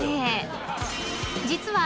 ［実は］